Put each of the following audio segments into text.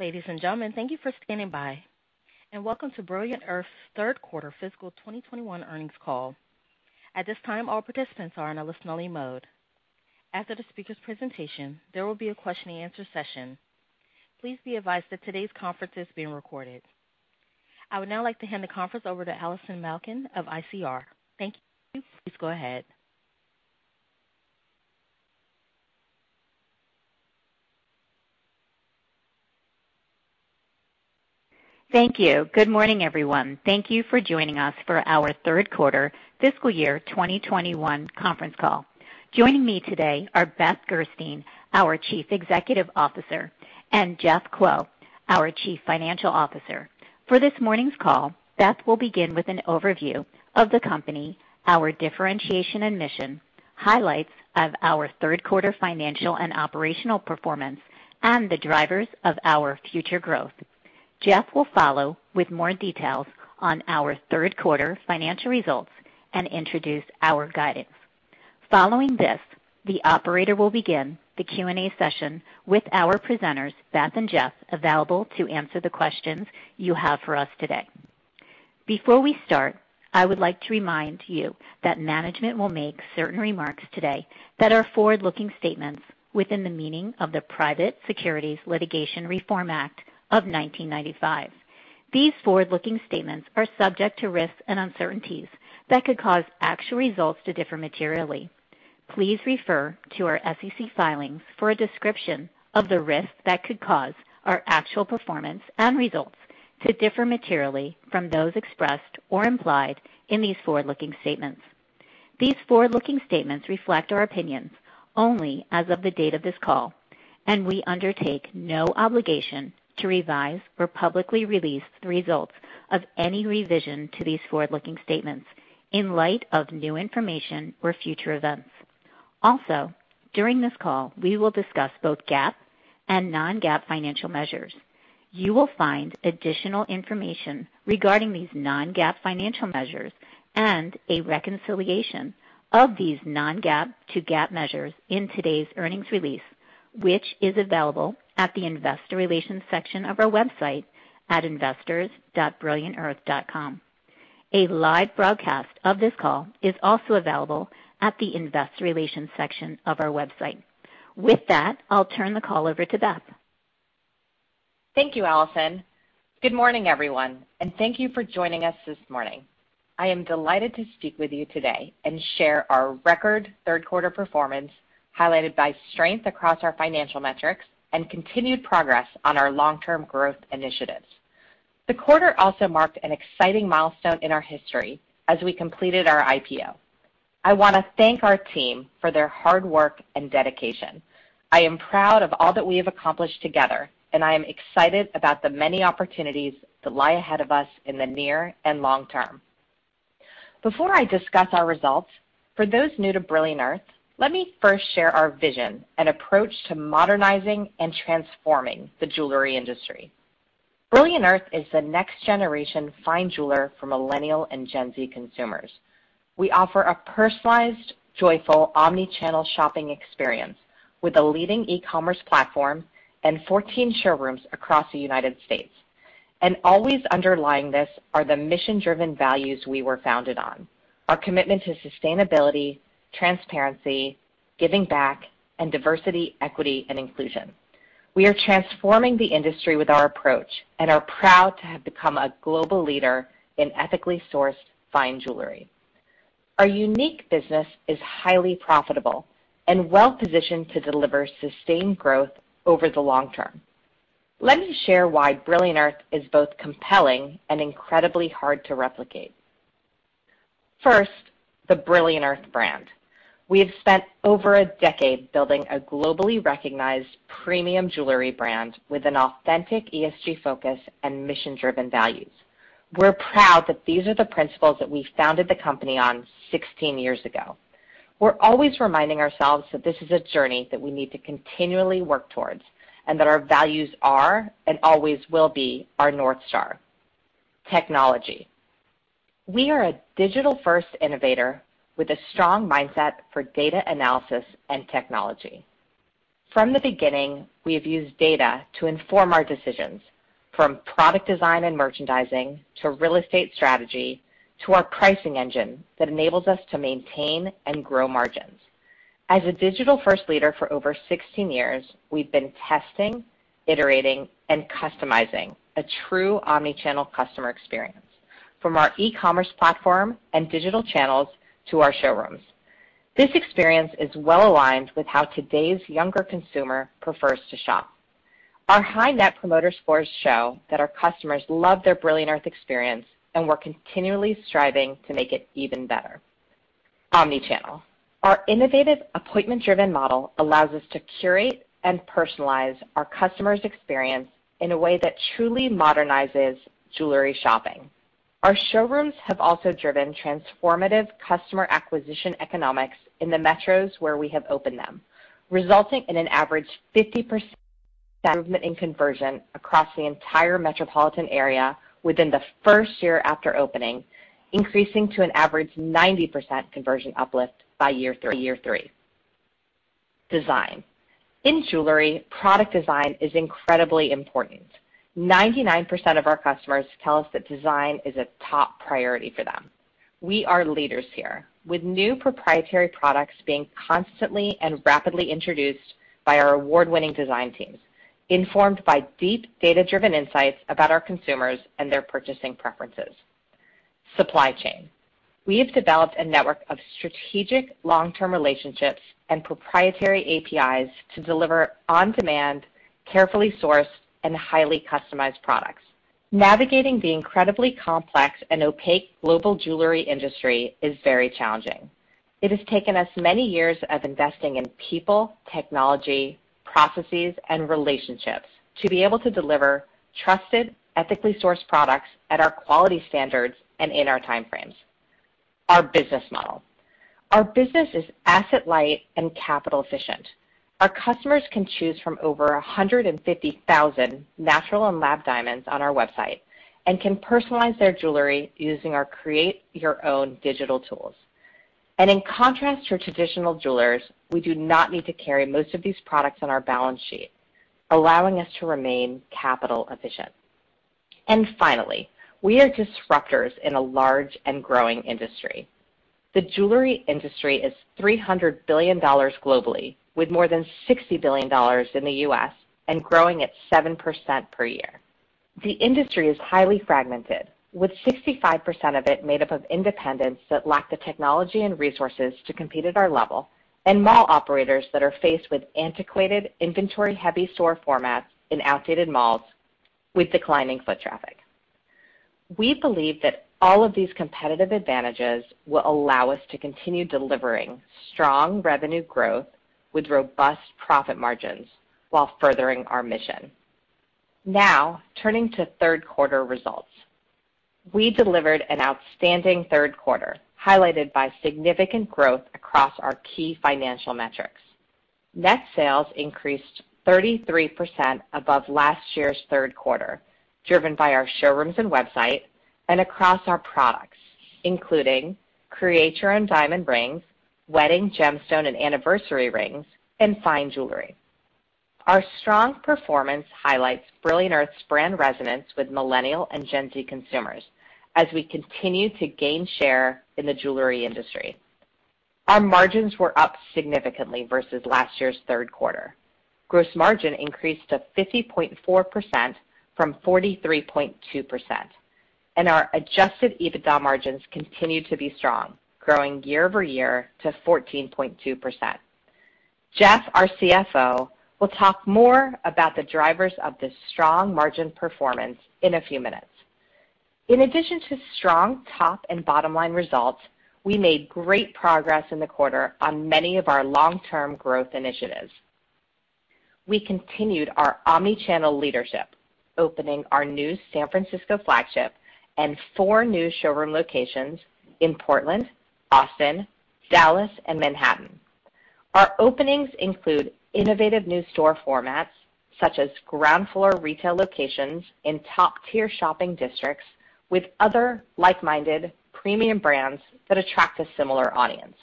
Ladies and gentlemen, thank you for standing by, and welcome to Brilliant Earth's third quarter fiscal 2021 earnings call. At this time, all participants are in a listen-only mode. After the speaker's presentation, there will be a question-and-answer session. Please be advised that today's conference is being recorded. I would now like to hand the conference over to Allison Malkin of ICR. Thank you. Please go ahead. Thank you. Good morning, everyone. Thank you for joining us for our third quarter fiscal year 2021 conference call. Joining me today are Beth Gerstein, our Chief Executive Officer, and Jeff Kuo, our Chief Financial Officer. For this morning's call, Beth will begin with an overview of the company, our differentiation and mission, highlights of our third quarter financial and operational performance, and the drivers of our future growth. Jeff will follow with more details on our third quarter financial results and introduce our guidance. Following this, the operator will begin the Q&A session with our presenters, Beth and Jeff, available to answer the questions you have for us today. Before we start, I would like to remind you that management will make certain remarks today that are forward-looking statements within the meaning of the Private Securities Litigation Reform Act of 1995. These forward-looking statements are subject to risks and uncertainties that could cause actual results to differ materially. Please refer to our SEC filings for a description of the risks that could cause our actual performance and results to differ materially from those expressed or implied in these forward-looking statements. These forward-looking statements reflect our opinions only as of the date of this call, and we undertake no obligation to revise or publicly release the results of any revision to these forward-looking statements in light of new information or future events. Also, during this call, we will discuss both GAAP and non-GAAP financial measures. You will find additional information regarding these non-GAAP financial measures and a reconciliation of these non-GAAP to GAAP measures in today's earnings release, which is available at the Investor Relations section of our website at investors.brilliantearth.com. A live broadcast of this call is also available at the Investor Relations section of our website. With that, I'll turn the call over to Beth. Thank you, Allison. Good morning, everyone, and thank you for joining us this morning. I am delighted to speak with you today and share our record third quarter performance, highlighted by strength across our financial metrics and continued progress on our long-term growth initiatives. The quarter also marked an exciting milestone in our history as we completed our IPO. I wanna thank our team for their hard work and dedication. I am proud of all that we have accomplished together, and I am excited about the many opportunities that lie ahead of us in the near and long term. Before I discuss our results, for those new to Brilliant Earth, let me first share our vision and approach to modernizing and transforming the jewelry industry. Brilliant Earth is the next generation fine jeweler for Millennial and Gen Z consumers. We offer a personalized, joyful, omnichannel shopping experience with a leading e-commerce platform and 14 showrooms across the United States. Always underlying this are the mission-driven values we were founded on, our commitment to sustainability, transparency, giving back, and diversity, equity, and inclusion. We are transforming the industry with our approach and are proud to have become a global leader in ethically sourced fine jewelry. Our unique business is highly profitable and well-positioned to deliver sustained growth over the long term. Let me share why Brilliant Earth is both compelling and incredibly hard to replicate. First, the Brilliant Earth brand. We have spent over a decade building a globally recognized premium jewelry brand with an authentic ESG focus and mission-driven values. We're proud that these are the principles that we founded the company on 16 years ago. We're always reminding ourselves that this is a journey that we need to continually work towards and that our values are and always will be our North Star. Technology. We are a digital-first innovator with a strong mindset for data analysis and technology. From the beginning, we have used data to inform our decisions, from product design and merchandising to real estate strategy to our pricing engine that enables us to maintain and grow margins. As a digital-first leader for over 16 years, we've been testing, iterating, and customizing a true omnichannel customer experience from our e-commerce platform and digital channels to our showrooms. This experience is well-aligned with how today's younger consumer prefers to shop. Our high Net Promoter Scores show that our customers love their Brilliant Earth experience, and we're continually striving to make it even better. Omni-channel. Our innovative appointment-driven model allows us to curate and personalize our customers' experience in a way that truly modernizes jewelry shopping. Our showrooms have also driven transformative customer acquisition economics in the metros where we have opened them, resulting in an average 50% improvement in conversion across the entire metropolitan area within the first year after opening, increasing to an average 90% conversion uplift by year three. Design. In jewelry, product design is incredibly important. 99% of our customers tell us that design is a top priority for them. We are leaders here, with new proprietary products being constantly and rapidly introduced by our award-winning design teams, informed by deep data-driven insights about our consumers and their purchasing preferences. Supply chain. We have developed a network of strategic long-term relationships and proprietary APIs to deliver on-demand, carefully sourced, and highly customized products. Navigating the incredibly complex and opaque global jewelry industry is very challenging. It has taken us many years of investing in people, technology, processes, and relationships to be able to deliver trusted, ethically sourced products at our quality standards and in our time frames. Our business model. Our business is asset-light and capital efficient. Our customers can choose from over 150,000 natural and lab diamonds on our website and can personalize their jewelry using our Create Your Own digital tools. In contrast to traditional jewelers, we do not need to carry most of these products on our balance sheet, allowing us to remain capital efficient. Finally, we are disruptors in a large and growing industry. The jewelry industry is $300 billion globally, with more than $60 billion in the U.S. and growing at 7% per year. The industry is highly fragmented, with 65% of it made up of independents that lack the technology and resources to compete at our level, and mall operators that are faced with antiquated, inventory-heavy store formats in outdated malls with declining foot traffic. We believe that all of these competitive advantages will allow us to continue delivering strong revenue growth with robust profit margins while furthering our mission. Now, turning to third quarter results. We delivered an outstanding third quarter, highlighted by significant growth across our key financial metrics. Net sales increased 33% above last year's third quarter, driven by our showrooms and website and across our products, including Create Your Own diamond rings, wedding gemstone and anniversary rings, and fine jewelry. Our strong performance highlights Brilliant Earth's brand resonance with Millennial and Gen Z consumers as we continue to gain share in the jewelry industry. Our margins were up significantly versus last year's third quarter. Gross margin increased to 50.4% from 43.2%, and our adjusted EBITDA margins continued to be strong, growing year-over-year to 14.2%. Jeff, our CFO, will talk more about the drivers of this strong margin performance in a few minutes. In addition to strong top and bottom line results, we made great progress in the quarter on many of our long-term growth initiatives. We continued our omnichannel leadership, opening our new San Francisco flagship and four new showroom locations in Portland, Austin, Dallas, and Manhattan. Our openings include innovative new store formats, such as ground floor retail locations in top-tier shopping districts with other like-minded premium brands that attract a similar audience.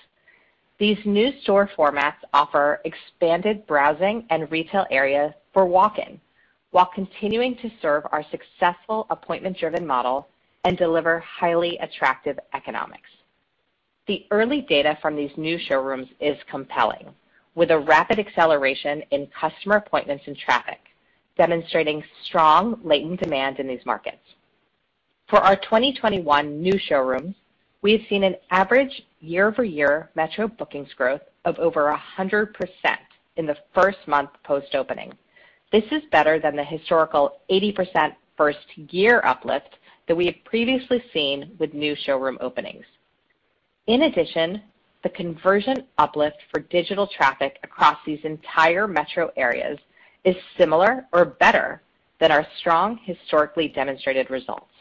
These new store formats offer expanded browsing and retail areas for walk-in while continuing to serve our successful appointment-driven model and deliver highly attractive economics. The early data from these new showrooms is compelling, with a rapid acceleration in customer appointments and traffic, demonstrating strong latent demand in these markets. For our 2021 new showrooms, we have seen an average year-over-year metro bookings growth of over 100% in the first month post-opening. This is better than the historical 80% first-year uplift that we had previously seen with new showroom openings. In addition, the conversion uplift for digital traffic across these entire metro areas is similar or better than our strong historically demonstrated results.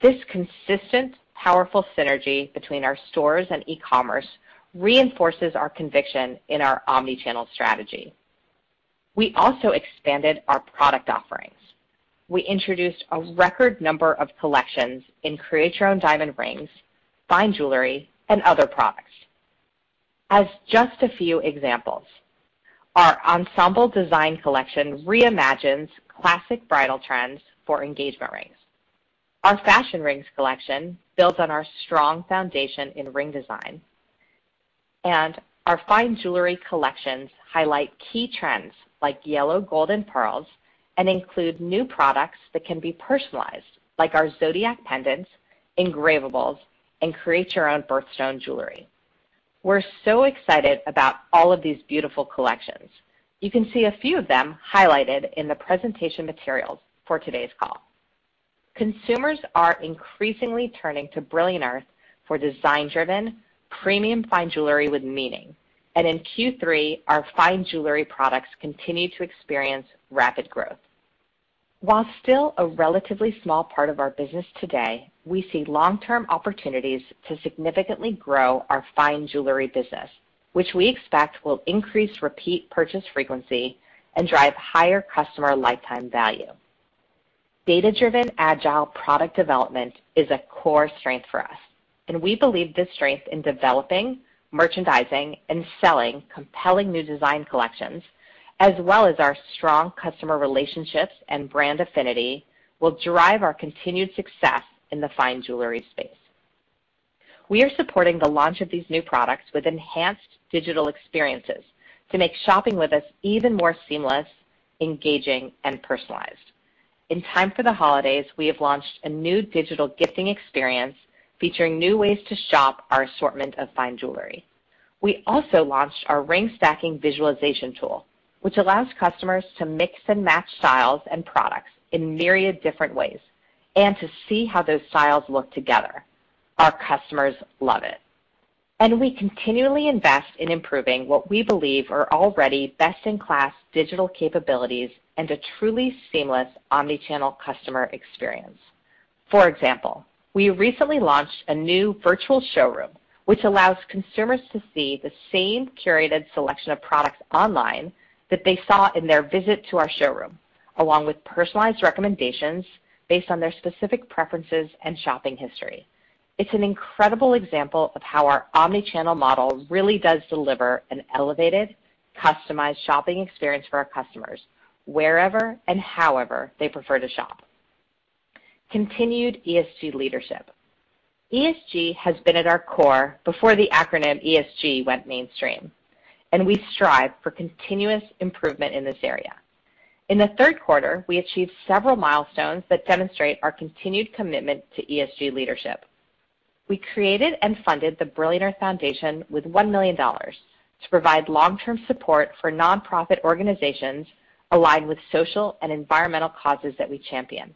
This consistent, powerful synergy between our stores and e-commerce reinforces our conviction in our omnichannel strategy. We also expanded our product offerings. We introduced a record number of collections in Create Your Own diamond rings, fine jewelry, and other products. As just a few examples, our Ensemble Design Collection reimagines classic bridal trends for engagement rings. Our Fashion Rings collection builds on our strong foundation in ring design. Our Fine Jewelry collections highlight key trends like yellow gold and pearls and include new products that can be personalized, like our Zodiac pendants, engravables, and Create Your Own birthstone jewelry. We're so excited about all of these beautiful collections. You can see a few of them highlighted in the presentation materials for today's call. Consumers are increasingly turning to Brilliant Earth for design-driven, premium fine jewelry with meaning. In Q3, our fine jewelry products continued to experience rapid growth. While still a relatively small part of our business today, we see long-term opportunities to significantly grow our fine jewelry business, which we expect will increase repeat purchase frequency and drive higher customer lifetime value. Data-driven, agile product development is a core strength for us, and we believe this strength in developing, merchandising, and selling compelling new design collections, as well as our strong customer relationships and brand affinity, will drive our continued success in the fine jewelry space. We are supporting the launch of these new products with enhanced digital experiences to make shopping with us even more seamless, engaging, and personalized. In time for the holidays, we have launched a new digital gifting experience featuring new ways to shop our assortment of fine jewelry. We also launched our ring stacking visualization tool, which allows customers to mix and match styles and products in myriad different ways and to see how those styles look together. Our customers love it. We continually invest in improving what we believe are already best-in-class digital capabilities and a truly seamless omnichannel customer experience. For example, we recently launched a new virtual showroom, which allows consumers to see the same curated selection of products online that they saw in their visit to our showroom, along with personalized recommendations based on their specific preferences and shopping history. It's an incredible example of how our omnichannel model really does deliver an elevated, customized shopping experience for our customers wherever and however they prefer to shop. Continued ESG leadership. ESG has been at our core before the acronym ESG went mainstream, and we strive for continuous improvement in this area. In the third quarter, we achieved several milestones that demonstrate our continued commitment to ESG leadership. We created and funded the Brilliant Earth Foundation with $1 million to provide long-term support for nonprofit organizations aligned with social and environmental causes that we champion.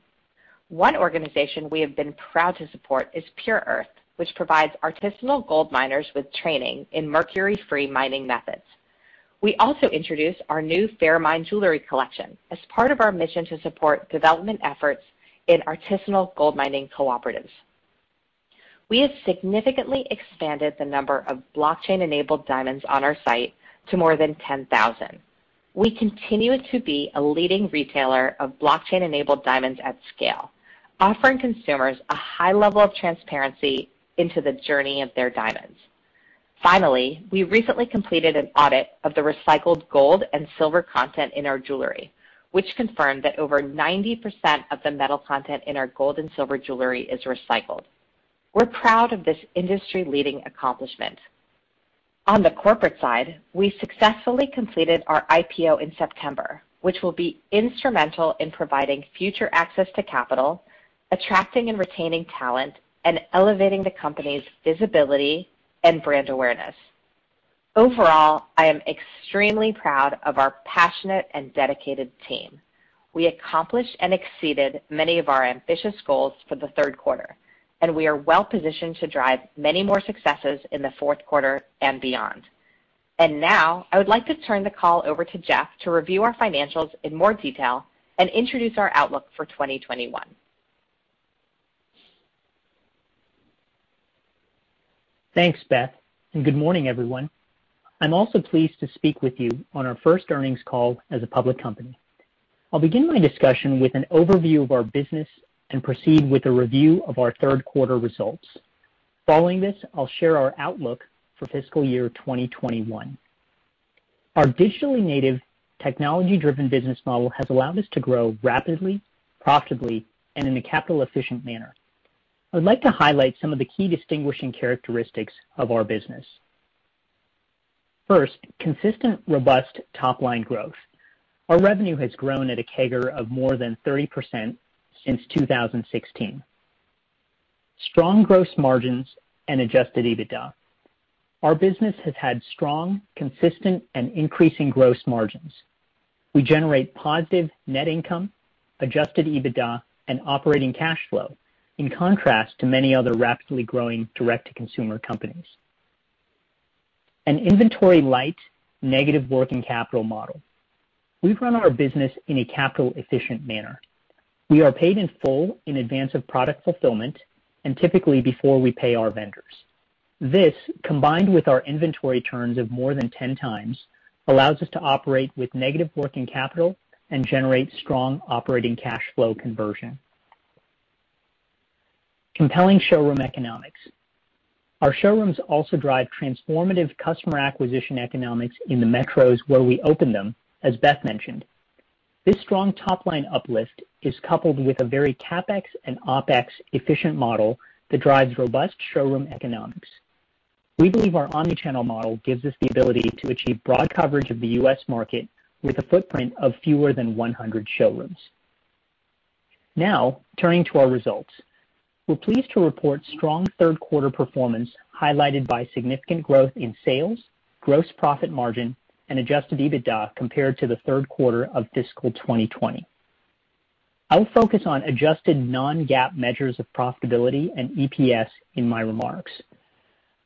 One organization we have been proud to support is Pure Earth, which provides artisanal gold miners with training in mercury-free mining methods. We also introduced our new Fairmined jewelry collection as part of our mission to support development efforts in artisanal gold mining cooperatives. We have significantly expanded the number of blockchain-enabled diamonds on our site to more than 10,000. We continue to be a leading retailer of blockchain-enabled diamonds at scale, offering consumers a high level of transparency into the journey of their diamonds. Finally, we recently completed an audit of the recycled gold and silver content in our jewelry, which confirmed that over 90% of the metal content in our gold and silver jewelry is recycled. We're proud of this industry-leading accomplishment. On the corporate side, we successfully completed our IPO in September, which will be instrumental in providing future access to capital, attracting and retaining talent, and elevating the company's visibility and brand awareness. Overall, I am extremely proud of our passionate and dedicated team. We accomplished and exceeded many of our ambitious goals for the third quarter, and we are well-positioned to drive many more successes in the fourth quarter and beyond. Now, I would like to turn the call over to Jeff to review our financials in more detail and introduce our outlook for 2021. Thanks, Beth, and good morning, everyone. I'm also pleased to speak with you on our first earnings call as a public company. I'll begin my discussion with an overview of our business and proceed with a review of our third quarter results. Following this, I'll share our outlook for fiscal year 2021. Our digitally native, technology-driven business model has allowed us to grow rapidly, profitably, and in a capital-efficient manner. I would like to highlight some of the key distinguishing characteristics of our business. First, consistent, robust top-line growth. Our revenue has grown at a CAGR of more than 30% since 2016. Strong gross margins and adjusted EBITDA. Our business has had strong, consistent, and increasing gross margins. We generate positive net income, adjusted EBITDA, and operating cash flow, in contrast to many other rapidly growing direct-to-consumer companies. An inventory-light, negative working capital model. We run our business in a capital-efficient manner. We are paid in full in advance of product fulfillment and typically before we pay our vendors. This, combined with our inventory turns of more than 10x, allows us to operate with negative working capital and generate strong operating cash flow conversion. Compelling showroom economics. Our showrooms also drive transformative customer acquisition economics in the metros where we open them, as Beth mentioned. This strong top-line uplift is coupled with a very CapEx and OpEx efficient model that drives robust showroom economics. We believe our omnichannel model gives us the ability to achieve broad coverage of the U.S. market with a footprint of fewer than 100 showrooms. Now, turning to our results. We're pleased to report strong third quarter performance, highlighted by significant growth in sales, gross profit margin, and adjusted EBITDA compared to the third quarter of fiscal 2020. I will focus on adjusted non-GAAP measures of profitability and EPS in my remarks.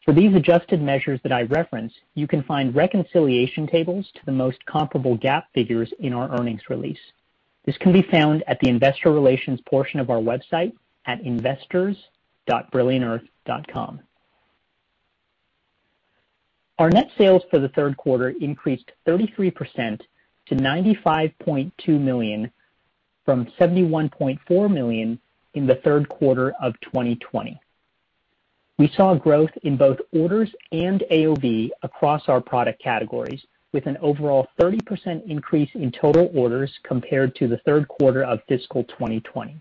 For these adjusted measures that I reference, you can find reconciliation tables to the most comparable GAAP figures in our earnings release. This can be found at the Investor Relations portion of our website at investors.brilliantearth.com. Our net sales for the third quarter increased 33% to $95.2 million from $71.4 million in the third quarter of 2020. We saw growth in both orders and AOV across our product categories with an overall 30% increase in total orders compared to the third quarter of fiscal 2020.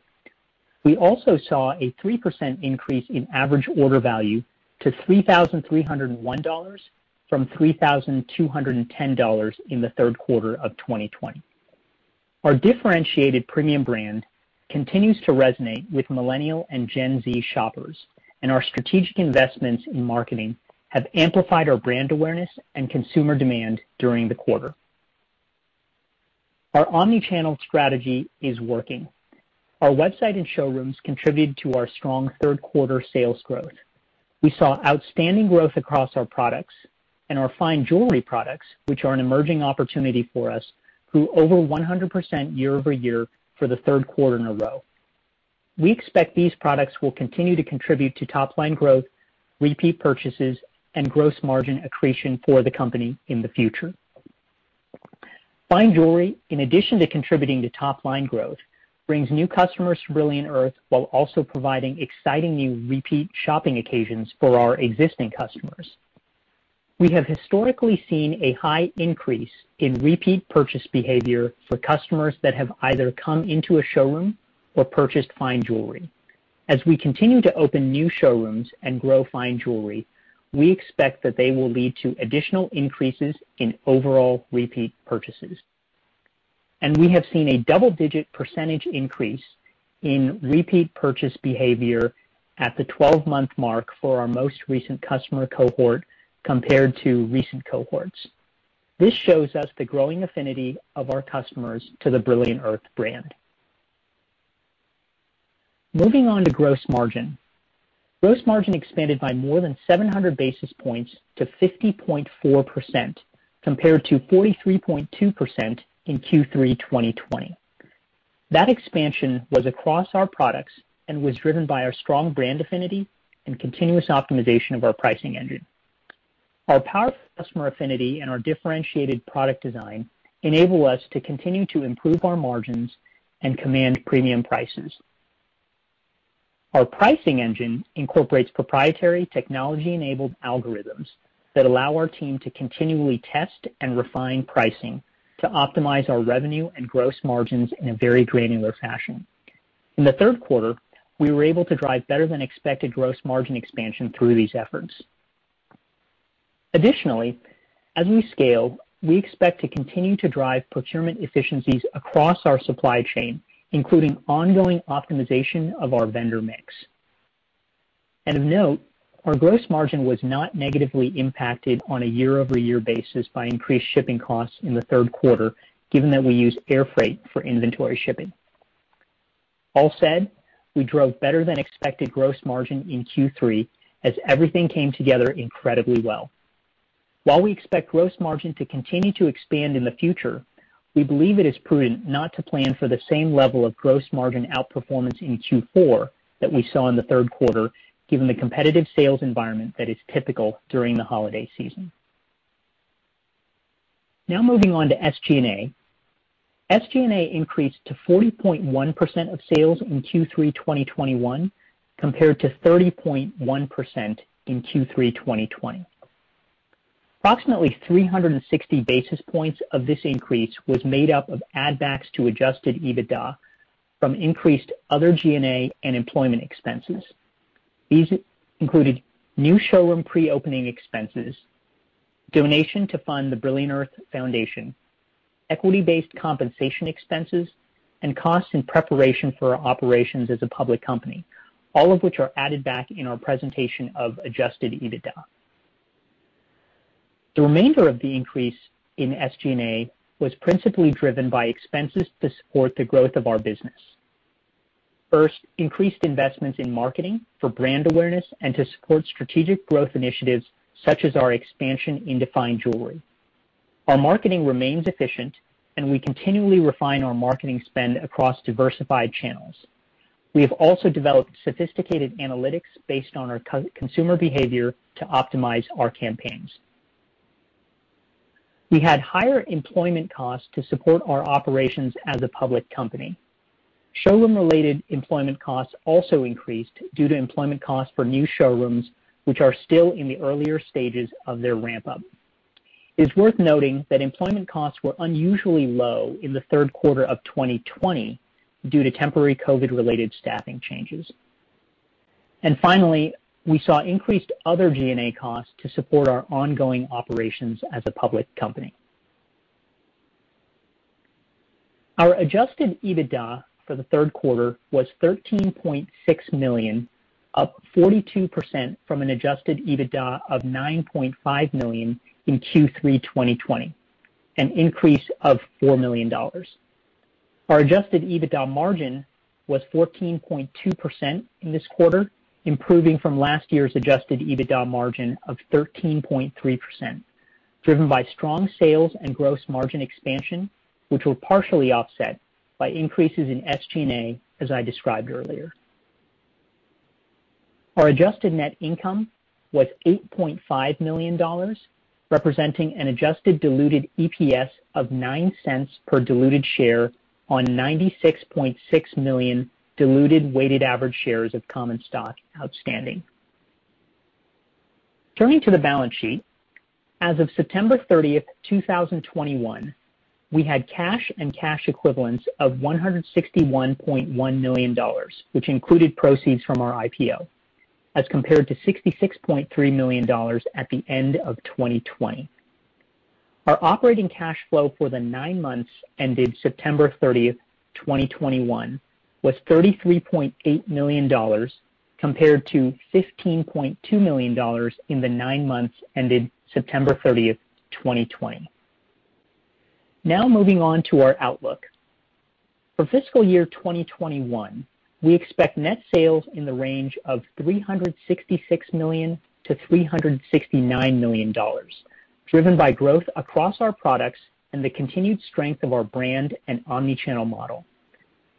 We also saw a 3% increase in average order value to $3,301 from $3,210 in the third quarter of 2020. Our differentiated premium brand continues to resonate with Millennial and Gen Z shoppers, and our strategic investments in marketing have amplified our brand awareness and consumer demand during the quarter. Our omnichannel strategy is working. Our website and showrooms contributed to our strong third quarter sales growth. We saw outstanding growth across our products, and our fine jewelry products, which are an emerging opportunity for us, grew over 100% year-over-year for the third quarter in a row. We expect these products will continue to contribute to top-line growth, repeat purchases, and gross margin accretion for the company in the future. Fine jewelry, in addition to contributing to top-line growth, brings new customers to Brilliant Earth while also providing exciting new repeat shopping occasions for our existing customers. We have historically seen a high increase in repeat purchase behavior for customers that have either come into a showroom or purchased fine jewelry. As we continue to open new showrooms and grow fine jewelry, we expect that they will lead to additional increases in overall repeat purchases. We have seen a double-digit percentage increase in repeat purchase behavior at the 12-month mark for our most recent customer cohort compared to recent cohorts. This shows us the growing affinity of our customers to the Brilliant Earth brand. Moving on to gross margin. Gross margin expanded by more than 700 basis points to 50.4%, compared to 43.2% in Q3 2020. That expansion was across our products and was driven by our strong brand affinity and continuous optimization of our pricing engine. Our powerful customer affinity and our differentiated product design enable us to continue to improve our margins and command premium prices. Our pricing engine incorporates proprietary technology-enabled algorithms that allow our team to continually test and refine pricing to optimize our revenue and gross margins in a very granular fashion. In the third quarter, we were able to drive better than expected gross margin expansion through these efforts. Additionally, as we scale, we expect to continue to drive procurement efficiencies across our supply chain, including ongoing optimization of our vendor mix. Of note, our gross margin was not negatively impacted on a year-over-year basis by increased shipping costs in the third quarter, given that we use air freight for inventory shipping. All said, we drove better than expected gross margin in Q3 as everything came together incredibly well. While we expect gross margin to continue to expand in the future, we believe it is prudent not to plan for the same level of gross margin outperformance in Q4 that we saw in the third quarter, given the competitive sales environment that is typical during the holiday season. Now moving on to SG&A. SG&A increased to 40.1% of sales in Q3 2021 compared to 30.1% in Q3 2020. Approximately 360 basis points of this increase was made up of add backs to adjusted EBITDA from increased other G&A and employment expenses. These included new showroom pre-opening expenses, donation to fund the Brilliant Earth Foundation, equity-based compensation expenses, and costs in preparation for our operations as a public company, all of which are added back in our presentation of adjusted EBITDA. The remainder of the increase in SG&A was principally driven by expenses to support the growth of our business. First, increased investments in marketing for brand awareness and to support strategic growth initiatives such as our expansion into fine jewelry. Our marketing remains efficient, and we continually refine our marketing spend across diversified channels. We have also developed sophisticated analytics based on our consumer behavior to optimize our campaigns. We had higher employment costs to support our operations as a public company. Showroom-related employment costs also increased due to employment costs for new showrooms, which are still in the earlier stages of their ramp up. It's worth noting that employment costs were unusually low in the third quarter of 2020 due to temporary COVID-related staffing changes. Finally, we saw increased other G&A costs to support our ongoing operations as a public company. Our adjusted EBITDA for the third quarter was $13.6 million, up 42% from an adjusted EBITDA of $9.5 million in Q3 2020, an increase of $4 million. Our adjusted EBITDA margin was 14.2% in this quarter, improving from last year's adjusted EBITDA margin of 13.3%, driven by strong sales and gross margin expansion, which were partially offset by increases in SG&A, as I described earlier. Our adjusted net income was $8.5 million, representing an adjusted diluted EPS of $0.09 per diluted share on 96.6 million diluted weighted average shares of common stock outstanding. Turning to the balance sheet, as of September 30th, 2021, we had cash and cash equivalents of $161.1 million, which included proceeds from our IPO, as compared to $66.3 million at the end of 2020. Our operating cash flow for the nine months ended September 30th, 2021 was $33.8 million compared to $15.2 million in the nine months ended September 30th, 2020. Now moving on to our outlook. For fiscal year 2021, we expect net sales in the range of $366 million-$369 million, driven by growth across our products and the continued strength of our brand and omnichannel model.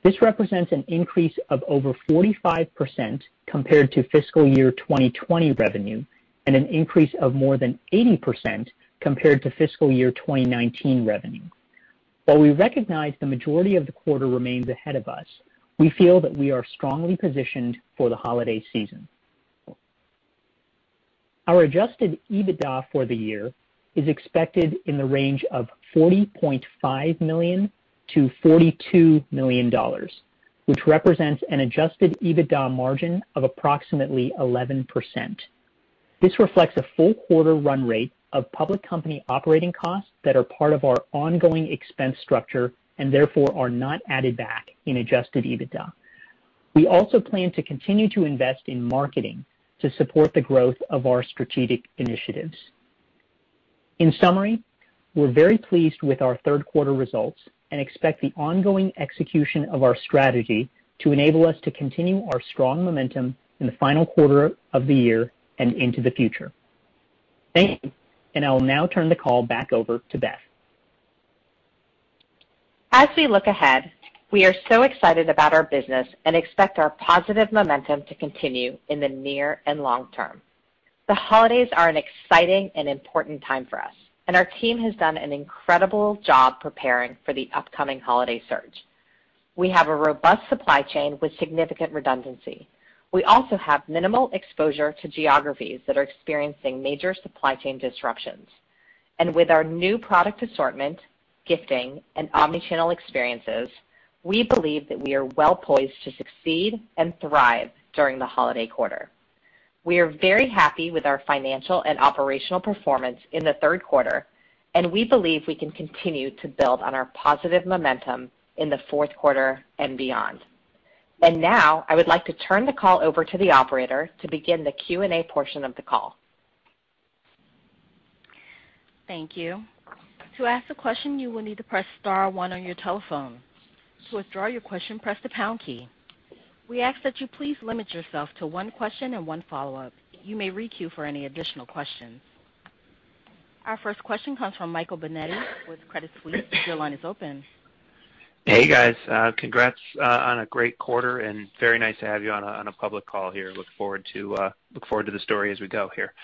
This represents an increase of over 45% compared to fiscal year 2020 revenue and an increase of more than 80% compared to fiscal year 2019 revenue. While we recognize the majority of the quarter remains ahead of us, we feel that we are strongly positioned for the holiday season. Our adjusted EBITDA for the year is expected in the range of $40.5 million-$42 million, which represents an adjusted EBITDA margin of approximately 11%. This reflects a full quarter run rate of public company operating costs that are part of our ongoing expense structure and therefore, are not added back in adjusted EBITDA. We also plan to continue to invest in marketing to support the growth of our strategic initiatives. In summary, we're very pleased with our third quarter results and expect the ongoing execution of our strategy to enable us to continue our strong momentum in the final quarter of the year and into the future. Thank you. I will now turn the call back over to Beth. As we look ahead, we are so excited about our business and expect our positive momentum to continue in the near and long term. The holidays are an exciting and important time for us, and our team has done an incredible job preparing for the upcoming holiday surge. We have a robust supply chain with significant redundancy. We also have minimal exposure to geographies that are experiencing major supply chain disruptions. With our new product assortment, gifting, and omnichannel experiences, we believe that we are well-poised to succeed and thrive during the holiday quarter. We are very happy with our financial and operational performance in the third quarter, and we believe we can continue to build on our positive momentum in the fourth quarter and beyond. Now, I would like to turn the call over to the operator to begin the Q&A portion of the call. Thank you. To ask a question, you will need to press star one on your telephone. To withdraw your question, press the pound key. We ask that you please limit yourself to one question and one follow-up. You may re-queue for any additional questions. Our first question comes from Michael Binetti with Credit Suisse. Your line is open. Hey, guys. Congrats on a great quarter, and very nice to have you on a public call here. Look forward to the story as we go here.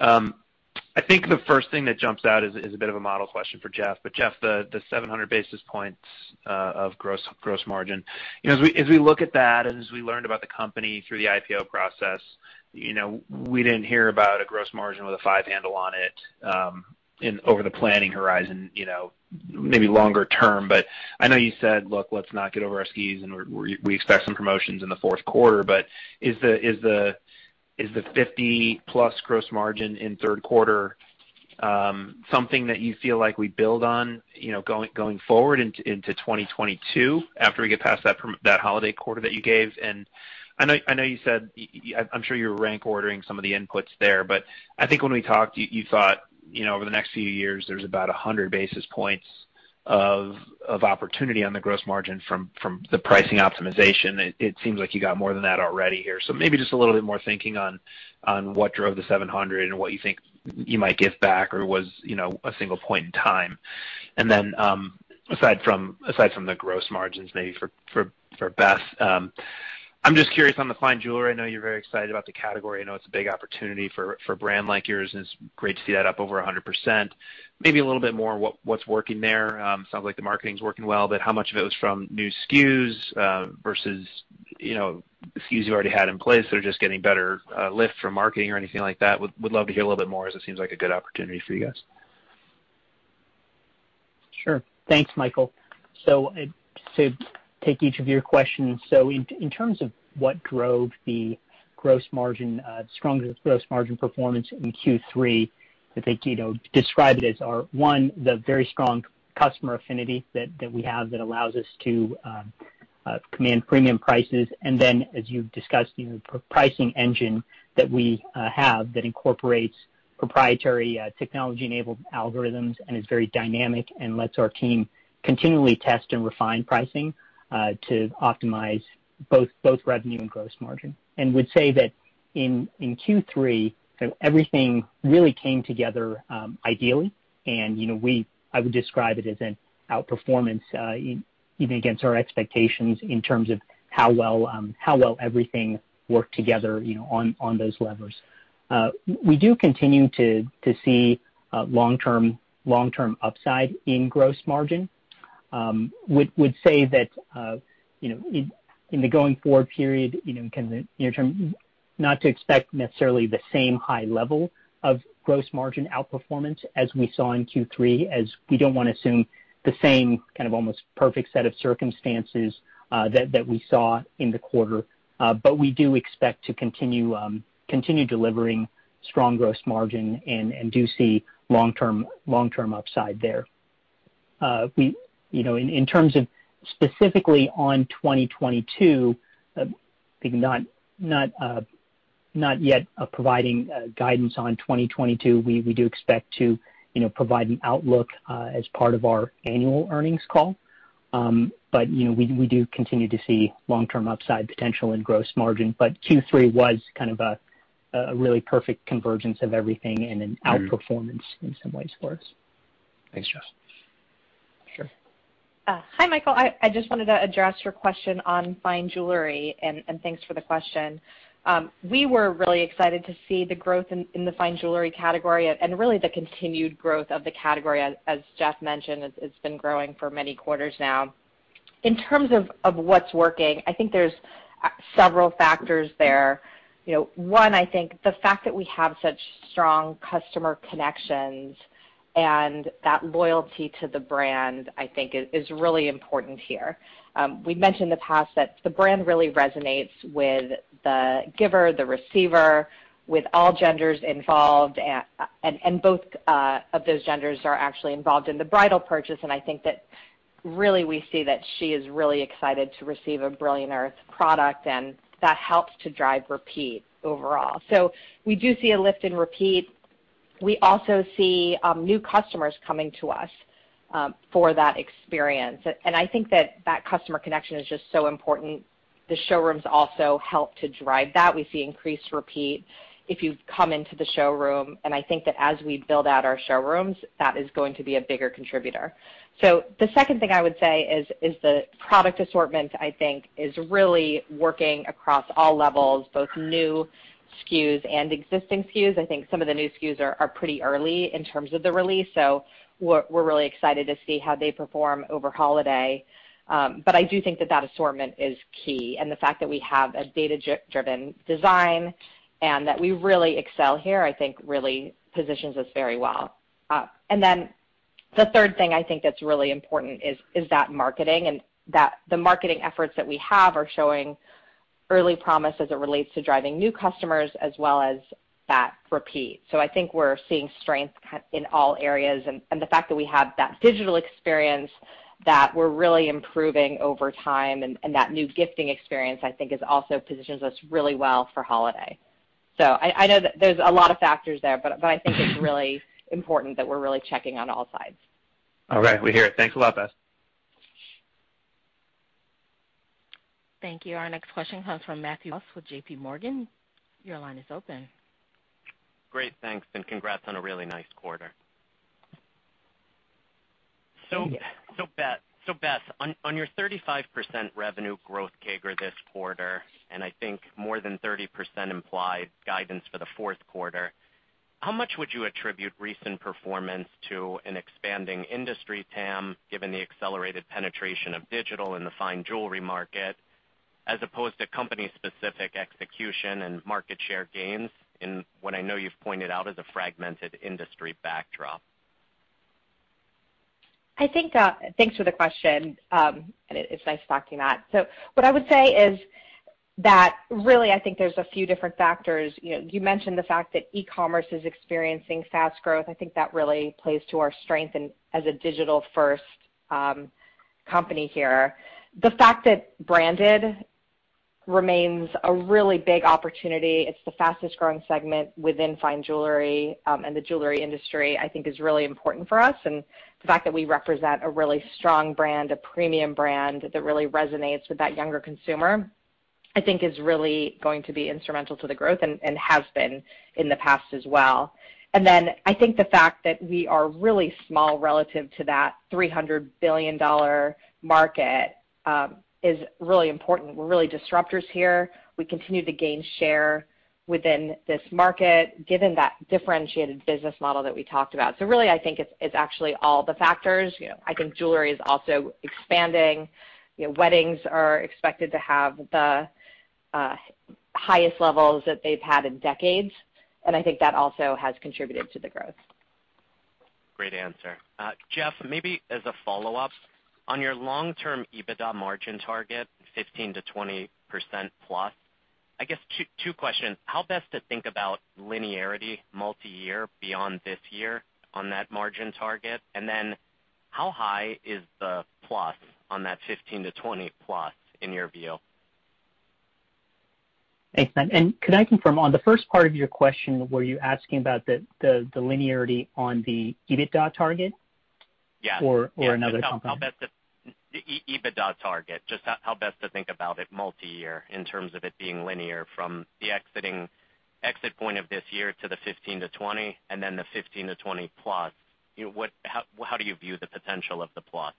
I think the first thing that jumps out is a bit of a model question for Jeff. Jeff, the 700 basis points of gross margin. You know, as we look at that, and as we learned about the company through the IPO process, you know, we didn't hear about a gross margin with a five handle on it, in over the planning horizon, you know, maybe longer term. I know you said, "Look, let's not get over our skis, and we expect some promotions in the fourth quarter." Is the 50%+ gross margin in third quarter something that you feel like we build on, you know, going forward into 2022 after we get past that holiday quarter that you gave? I know you said, yeah, I'm sure you're rank ordering some of the inputs there, but I think when we talked, you thought, you know, over the next few years, there's about 100 basis points of opportunity on the gross margin from the pricing optimization. It seems like you got more than that already here. Maybe just a little bit more thinking on what drove the 700 and what you think you might give back, or was, you know, a single point in time. Aside from the gross margins, maybe for Beth, I'm just curious on the fine jewelry. I know you're very excited about the category. I know it's a big opportunity for a brand like yours, and it's great to see that up over 100%. Maybe a little bit more what's working there. Sounds like the marketing's working well, but how much of it was from new SKUs versus, you know, SKUs you already had in place that are just getting better lift from marketing or anything like that? Would love to hear a little bit more as it seems like a good opportunity for you guys. Sure. Thanks, Michael. To take each of your questions, in terms of what drove the gross margin, stronger gross margin performance in Q3, I think, you know, describe it as our one, the very strong customer affinity that we have that allows us to command premium prices. And then as you've discussed, you know, pricing engine that we have that incorporates proprietary, technology-enabled algorithms and is very dynamic and lets our team continually test and refine pricing to optimize both revenue and gross margin. I would say that in Q3, everything really came together, ideally, and, you know, I would describe it as an outperformance, even against our expectations in terms of how well everything worked together, you know, on those levers. We do continue to see long-term upside in gross margin. Would say that, you know, in the going forward period, you know, kind of the near term, not to expect necessarily the same high level of gross margin outperformance as we saw in Q3 as we don't wanna assume the same kind of almost perfect set of circumstances that we saw in the quarter. We do expect to continue delivering strong gross margin and do see long-term upside there. You know, in terms of specifically on 2022, I think not yet providing guidance on 2022. We do expect to you know provide an outlook as part of our annual earnings call. You know, we do continue to see long-term upside potential in gross margin. Q3 was kind of a really perfect convergence of everything and an outperformance in some ways for us. Thanks, Jeff. Sure. Hi, Michael. I just wanted to address your question on fine jewelry, and thanks for the question. We were really excited to see the growth in the fine jewelry category and really the continued growth of the category. As Jeff mentioned, it's been growing for many quarters now. In terms of what's working, I think there's several factors there. You know, one, I think the fact that we have such strong customer connections and that loyalty to the brand, I think, is really important here. We've mentioned in the past that the brand really resonates with the giver, the receiver, with all genders involved. Both of those genders are actually involved in the bridal purchase, and I think that really we see that she is really excited to receive a Brilliant Earth product, and that helps to drive repeat overall. We do see a lift in repeat. We also see new customers coming to us for that experience. I think that customer connection is just so important. The showrooms also help to drive that. We see increased repeat if you come into the showroom, and I think that as we build out our showrooms, that is going to be a bigger contributor. The second thing I would say is the product assortment, I think, is really working across all levels, both new SKUs and existing SKUs. I think some of the new SKUs are pretty early in terms of the release, so we're really excited to see how they perform over holiday. I do think that assortment is key, and the fact that we have a data-driven design and that we really excel here, I think really positions us very well. Then the third thing I think that's really important is that marketing and that the marketing efforts that we have are showing early promise as it relates to driving new customers as well as that repeat. I think we're seeing strength in all areas, and the fact that we have that digital experience that we're really improving over time and that new gifting experience, I think is also positions us really well for holiday. I know that there's a lot of factors there, but I think it's really important that we're really checking on all sides. All right. We hear it. Thanks a lot, Beth. Thank you. Our next question comes from Matthew Boss with JPMorgan. Your line is open. Great. Thanks, and congrats on a really nice quarter. Thank you. Beth, on your 35% revenue growth CAGR this quarter, and I think more than 30% implied guidance for the fourth quarter, how much would you attribute recent performance to an expanding industry TAM, given the accelerated penetration of digital in the fine jewelry market, as opposed to company-specific execution and market share gains in what I know you've pointed out as a fragmented industry backdrop? Thanks for the question. It's nice talking to you, Matt. What I would say is that really, I think there's a few different factors. You know, you mentioned the fact that e-commerce is experiencing fast growth. I think that really plays to our strength in as a digital-first company here. The fact that branded remains a really big opportunity, it's the fastest growing segment within fine jewelry and the jewelry industry, I think is really important for us. The fact that we represent a really strong brand, a premium brand that really resonates with that younger consumer, I think is really going to be instrumental to the growth and has been in the past as well. I think the fact that we are really small relative to that $300 billion market is really important. We're really disruptors here. We continue to gain share within this market given that differentiated business model that we talked about. Really, I think it's actually all the factors. You know, I think jewelry is also expanding. You know, weddings are expected to have the highest levels that they've had in decades, and I think that also has contributed to the growth. Great answer. Jeff, maybe as a follow-up, on your long-term EBITDA margin target, 15%-20%+, I guess two questions. How best to think about linearity multiyear beyond this year on that margin target? How high is the plus on that 15%-20%+ in your view? Thanks, Matt, and could I confirm, on the first part of your question, were you asking about the linearity on the EBITDA target? Yeah. Or another company? How best to, the EBITDA target, just how best to think about it multiyear in terms of it being linear from the exit point of this year to the 15%-20% and then the 15%-20%+. You know, how do you view the potential of the plus?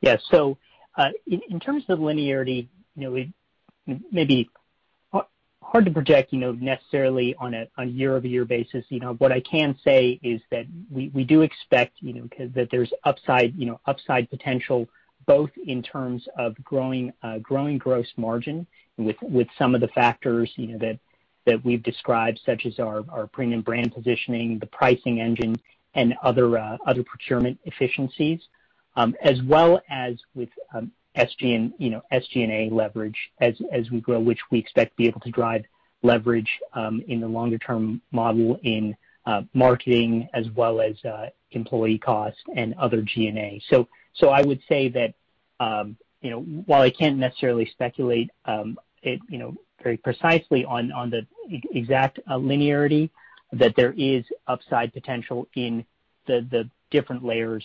Yes. In terms of linearity, you know, it may be hard to project, you know, necessarily on a year-over-year basis. You know, what I can say is that we do expect, you know, that there's upside potential, both in terms of growing gross margin with some of the factors, you know, that we've described, such as our premium brand positioning, the pricing engine, and other procurement efficiencies, as well as with SG&A leverage as we grow, which we expect to be able to drive leverage in the longer term model in marketing as well as employee costs and other G&A. I would say that, you know, while I can't necessarily speculate, you know, very precisely on the exact linearity that there is upside potential in the different layers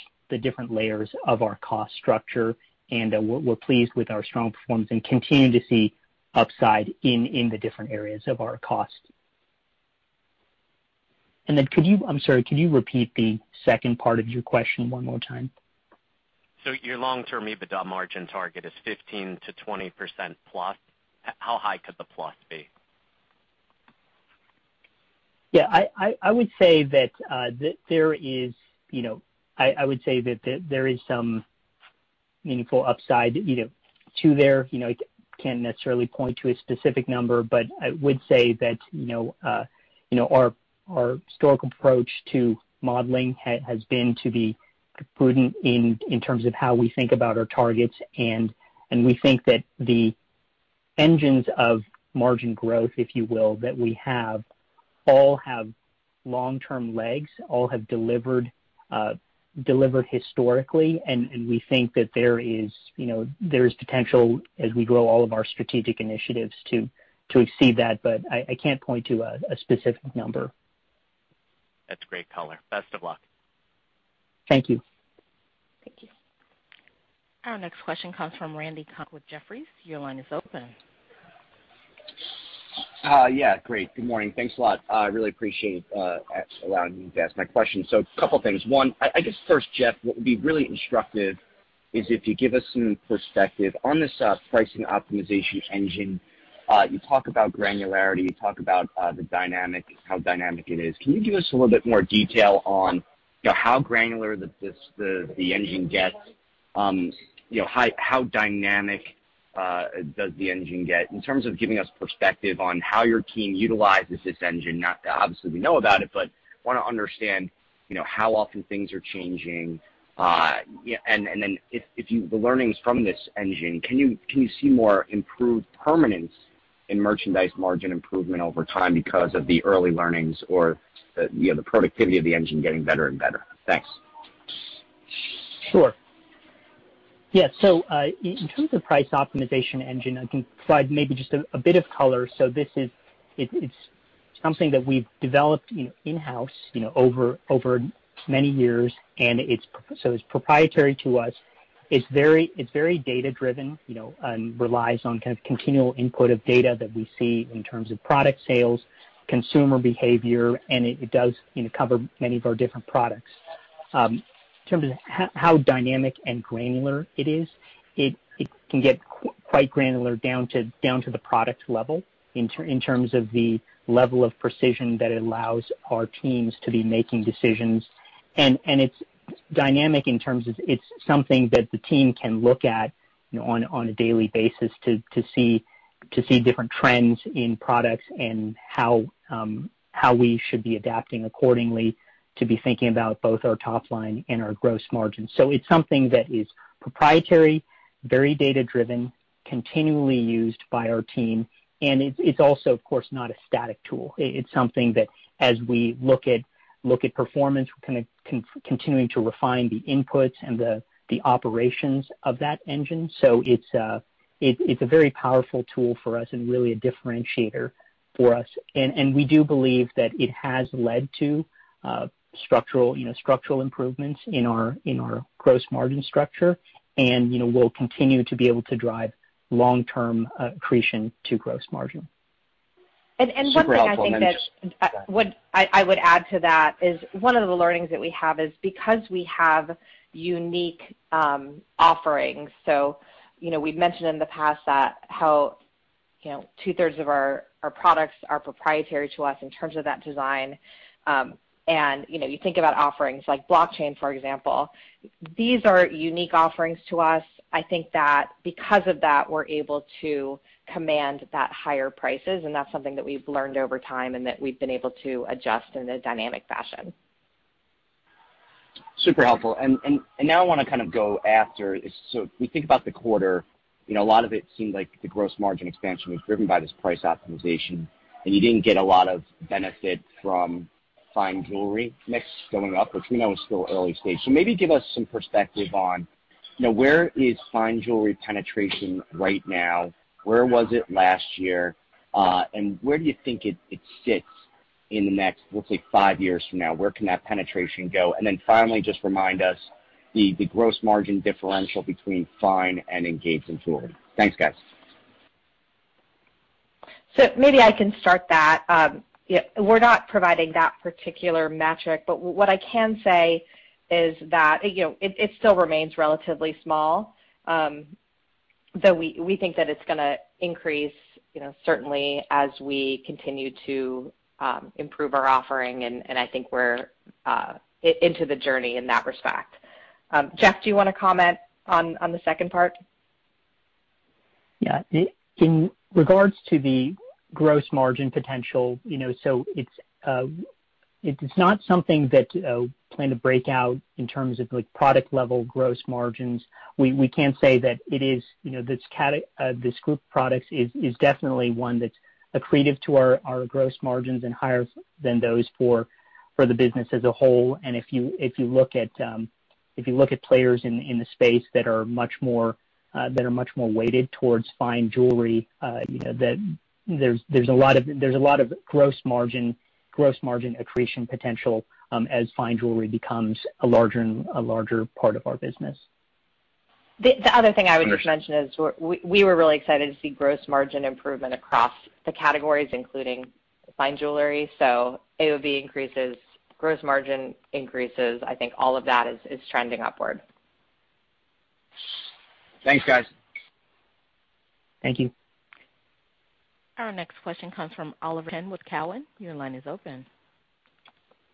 of our cost structure, and we're pleased with our strong performance and continue to see upside in the different areas of our cost. Could you repeat the second part of your question one more time? Your long-term EBITDA margin target is 15%-20%+. How high could the plus be? Yeah. I would say that there is some meaningful upside, you know, to there. You know, I can't necessarily point to a specific number, but I would say that, you know, our historical approach to modeling has been to be prudent in terms of how we think about our targets. We think that the engines of margin growth, if you will, that we have, all have long-term legs, all have delivered historically. We think that there is potential as we grow all of our strategic initiatives to exceed that. I can't point to a specific number. That's great color. Best of luck. Thank you. Thank you. Our next question comes from Randy Konik with Jefferies. Your line is open. Yeah. Great. Good morning. Thanks a lot. I really appreciate allowing me to ask my question. So a couple things. One, I guess first, Jeff, what would be really instructive is if you give us some perspective on this pricing optimization engine. You talk about granularity, you talk about the dynamic, how dynamic it is. Can you give us a little bit more detail on, you know, how granular the engine gets? You know, how dynamic does the engine get? In terms of giving us perspective on how your team utilizes this engine, obviously we know about it, but wanna understand, you know, how often things are changing. And, the learnings from this engine, can you see more improved permanence in merchandise margin improvement over time because of the early learnings or, you know, the productivity of the engine getting better and better? Thanks. Sure. Yeah. In terms of price optimization engine, I can provide maybe just a bit of color. It's something that we've developed, you know, in-house, you know, over many years, and it's proprietary to us. It's very data-driven, you know, and relies on kind of continual input of data that we see in terms of product sales, consumer behavior, and it does, you know, cover many of our different products. In terms of how dynamic and granular it is, it can get quite granular down to the product level in terms of the level of precision that it allows our teams to be making decisions. It's dynamic in terms of it's something that the team can look at, you know, on a daily basis to see different trends in products and how we should be adapting accordingly to be thinking about both our top line and our gross margin. It's something that is proprietary, very data-driven, continually used by our team, and it's also, of course, not a static tool. It's something that, as we look at performance, we're kinda continuing to refine the inputs and the operations of that engine. It's a very powerful tool for us and really a differentiator for us. We do believe that it has led to structural, you know, structural improvements in our gross margin structure and, you know, will continue to be able to drive long-term accretion to gross margin. Super helpful. One thing I think that what I would add to that is one of the learnings that we have is because we have unique offerings, so, you know, we've mentioned in the past that how, you know, 2/3 of our products are proprietary to us in terms of that design. You know, you think about offerings like blockchain, for example. These are unique offerings to us. I think that because of that, we're able to command that higher prices, and that's something that we've learned over time and that we've been able to adjust in a dynamic fashion. Super helpful. Now I wanna kind of go after, if we think about the quarter, you know, a lot of it seemed like the gross margin expansion was driven by this price optimization, and you didn't get a lot of benefit from fine jewelry mix going up, which we know is still early stage. Maybe give us some perspective on, now where is fine jewelry penetration right now? Where was it last year? Where do you think it sits in the next, let's say, five years from now? Where can that penetration go? Then finally, just remind us the gross margin differential between fine and engagement jewelry. Thanks, guys. Maybe I can start that. Yeah, we're not providing that particular metric, but what I can say is that, you know, it still remains relatively small, but we think that it's gonna increase, you know, certainly as we continue to improve our offering, and I think we're into the journey in that respect. Jeff, do you wanna comment on the second part? Yeah. In regards to the gross margin potential, you know, so it's not something that we plan to break out in terms of like product level gross margins. We can say that it is, you know, this group products is definitely one that's accretive to our gross margins and higher than those for the business as a whole. If you look at players in the space that are much more weighted towards fine jewelry, you know, that there's a lot of gross margin accretion potential as fine jewelry becomes a larger part of our business. The other thing I would just mention is we were really excited to see gross margin improvement across the categories, including fine jewelry. AOV increases, gross margin increases. I think all of that is trending upward. Thanks, guys. Thank you. Our next question comes from Oliver Chen with Cowen. Your line is open.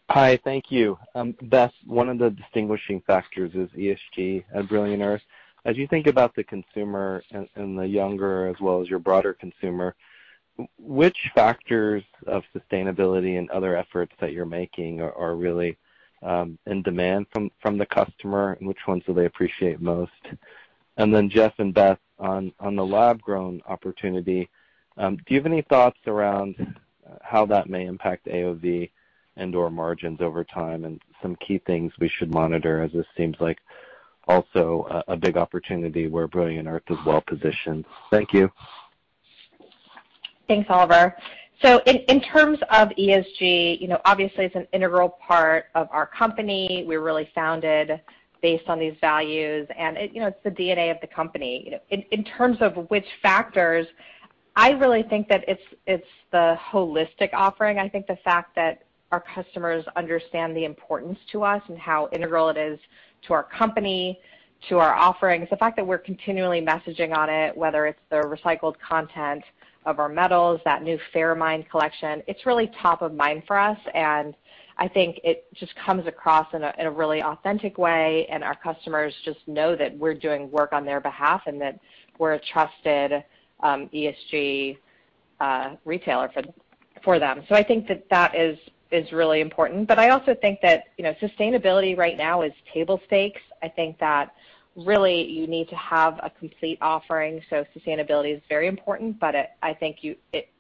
Hi. Thank you. Beth, one of the distinguishing factors is ESG at Brilliant Earth. As you think about the consumer and the younger as well as your broader consumer, which factors of sustainability and other efforts that you're making are really in demand from the customer, and which ones do they appreciate most? Then Jeff and Beth, on the lab-grown opportunity, do you have any thoughts around how that may impact AOV and/or margins over time and some key things we should monitor, as this seems like also a big opportunity where Brilliant Earth is well-positioned? Thank you. Thanks, Oliver. In terms of ESG, you know, obviously it's an integral part of our company. We're really founded based on these values and it, you know, it's the DNA of the company. You know, in terms of which factors, I really think that it's the holistic offering. I think the fact that our customers understand the importance to us and how integral it is to our company, to our offerings, the fact that we're continually messaging on it, whether it's the recycled content of our metals, that new Fairmined collection, it's really top of mind for us, and I think it just comes across in a really authentic way, and our customers just know that we're doing work on their behalf and that we're a trusted ESG retailer for them. I think that is really important. I also think that, you know, sustainability right now is table stakes. I think that really you need to have a complete offering. Sustainability is very important, but I think you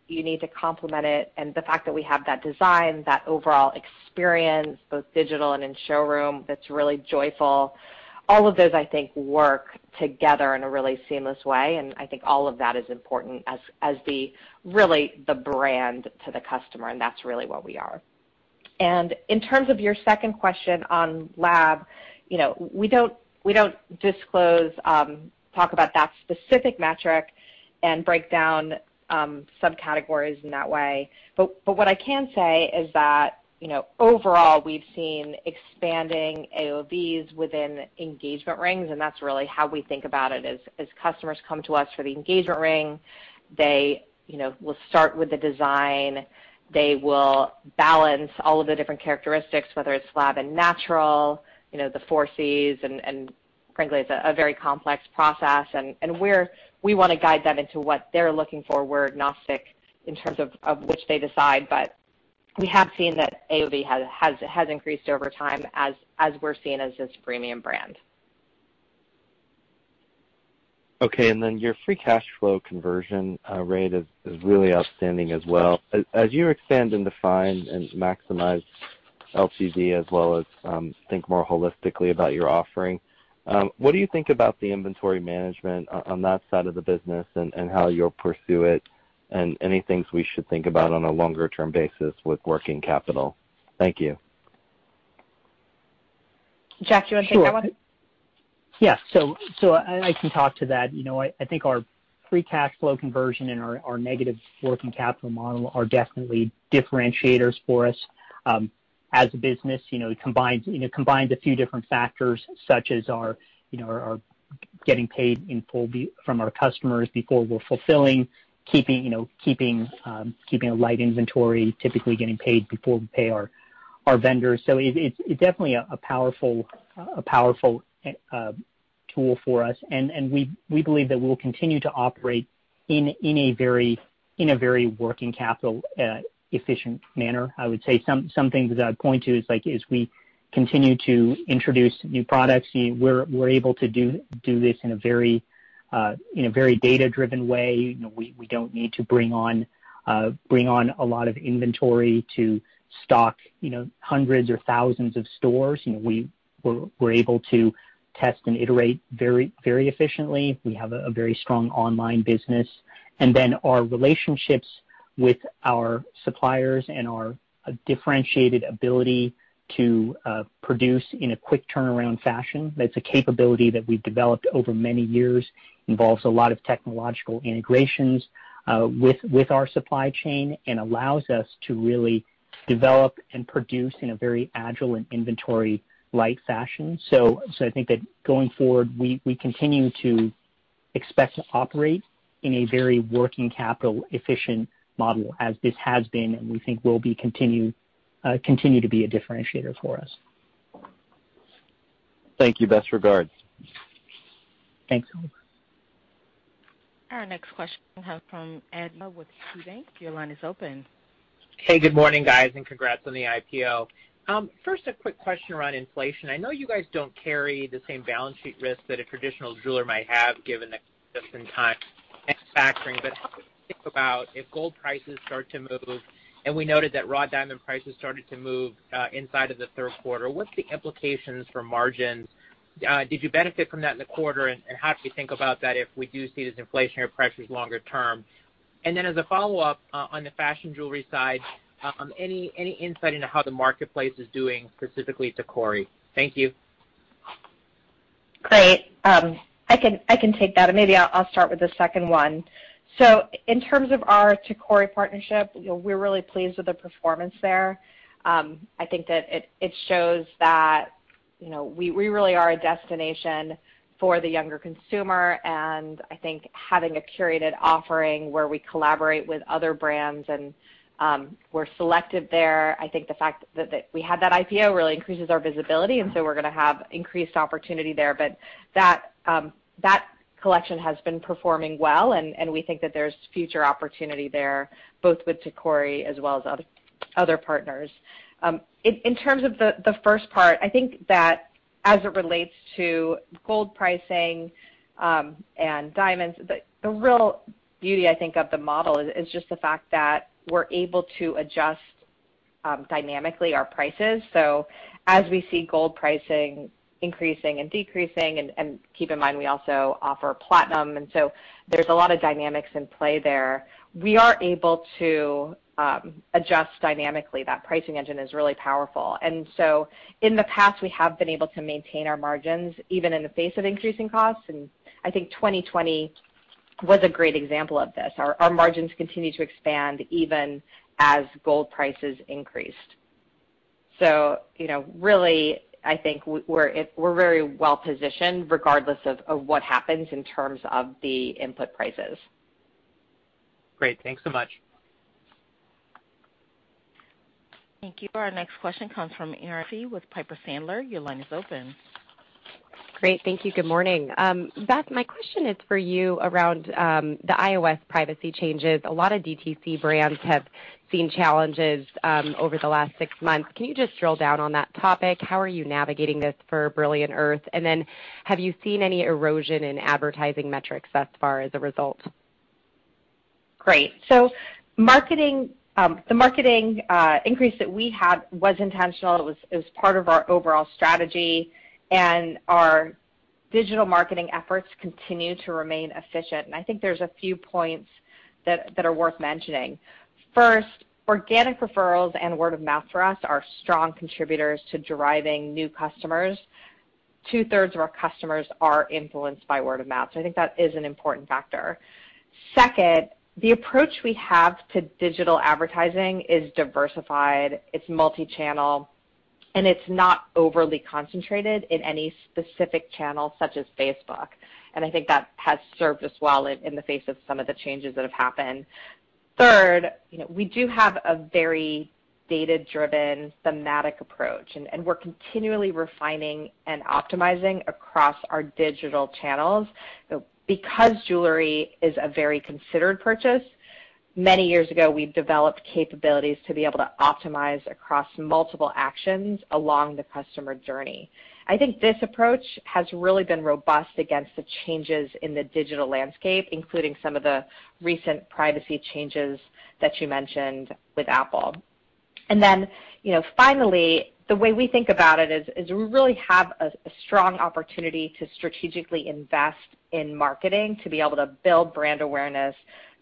need to complement it. The fact that we have that design, that overall experience, both digital and in showroom, that's really joyful, all of those, I think work together in a really seamless way, and I think all of that is important as the brand to the customer, and that's really what we are. In terms of your second question on lab, you know, we don't disclose, talk about that specific metric and break down subcategories in that way. What I can say is that, you know, overall, we've seen expanding AOVs within engagement rings, and that's really how we think about it as customers come to us for the engagement ring, they, you know, will start with the design. They will balance all of the different characteristics, whether it's lab and natural, you know, the four Cs, and frankly, it's a very complex process. We wanna guide them into what they're looking for. We're agnostic in terms of which they decide, but we have seen that AOV has increased over time as we're seen as this premium brand. Okay. Then your free cash flow conversion rate is really outstanding as well. As you expand and define and maximize LTV as well as think more holistically about your offering, what do you think about the inventory management on that side of the business and how you'll pursue it, and any things we should think about on a longer term basis with working capital? Thank you. Jeff, do you wanna take that one? I can talk to that. You know, I think our free cash flow conversion and our negative working capital model are definitely differentiators for us. As a business, you know, it combines you know a few different factors such as our you know our getting paid in full from our customers before we're fulfilling, keeping, you know, a light inventory, typically getting paid before we pay our vendors. It's definitely a powerful tool for us. We believe that we'll continue to operate in a very working capital efficient manner. I would say some things that I'd point to is like, as we continue to introduce new products, you know, we're able to do this in a very data-driven way. You know, we don't need to bring on a lot of inventory to stock, you know, hundreds or thousands of stores. You know, we're able to test and iterate very, very efficiently. We have a very strong online business. Our relationships with our suppliers and our differentiated ability to produce in a quick turnaround fashion. That's a capability that we've developed over many years, involves a lot of technological integrations with our supply chain and allows us to really develop and produce in a very agile and inventory-light fashion. I think that going forward, we continue to expect to operate in a very working capital efficient model as this has been and we think will continue to be a differentiator for us. Thank you. Best regards. Thanks. Our next question will come from Ed Yruma with KeyBanc. Your line is open. Hey, good morning, guys, and congrats on the IPO. First, a quick question around inflation. I know you guys don't carry the same balance sheet risk that a traditional jeweler might have, given the just-in-time manufacturing. But how do you think about if gold prices start to move, and we noted that raw diamond prices started to move inside of the third quarter, what's the implications for margins? Did you benefit from that in the quarter? And how do you think about that if we do see these inflationary pressures longer term? And then as a follow-up, on the fashion jewelry side, any insight into how the marketplace is doing, specifically Tacori? Thank you. Great. I can take that, and maybe I'll start with the second one. In terms of our Tacori partnership, you know, we're really pleased with the performance there. I think that it shows that, you know, we really are a destination for the younger consumer, and I think having a curated offering where we collaborate with other brands and we're selected there, I think the fact that we had that IPO really increases our visibility, and so we're gonna have increased opportunity there. That collection has been performing well, and we think that there's future opportunity there, both with Tacori as well as other partners. In terms of the first part, I think that as it relates to gold pricing and diamonds, the real beauty, I think, of the model is just the fact that we're able to adjust dynamically our prices. As we see gold pricing increasing and decreasing, and keep in mind, we also offer platinum, and so there's a lot of dynamics in play there, we are able to adjust dynamically. That pricing engine is really powerful. In the past, we have been able to maintain our margins, even in the face of increasing costs. I think 2020 was a great example of this. Our margins continue to expand even as gold prices increased. You know, really, I think we're very well-positioned regardless of what happens in terms of the input prices. Great. Thanks so much. Thank you. Our next question comes from Erinn Murphy with Piper Sandler. Your line is open. Great. Thank you. Good morning. Beth, my question is for you around the iOS privacy changes. A lot of DTC brands have seen challenges over the last six months. Can you just drill down on that topic? How are you navigating this for Brilliant Earth? Have you seen any erosion in advertising metrics thus far as a result? Great. The marketing increase that we had was intentional. It was part of our overall strategy, and our digital marketing efforts continue to remain efficient. I think there's a few points that are worth mentioning. First, organic referrals and word of mouth for us are strong contributors to driving new customers. 2/3 of our customers are influenced by word of mouth, so I think that is an important factor. Second, the approach we have to digital advertising is diversified, it's multi-channel, and it's not overly concentrated in any specific channel such as Facebook. I think that has served us well in the face of some of the changes that have happened. Third, you know, we do have a very data-driven, thematic approach, and we're continually refining and optimizing across our digital channels. Because jewelry is a very considered purchase, many years ago, we've developed capabilities to be able to optimize across multiple actions along the customer journey. I think this approach has really been robust against the changes in the digital landscape, including some of the recent privacy changes that you mentioned with Apple. You know, finally, the way we think about it is we really have a strong opportunity to strategically invest in marketing to be able to build brand awareness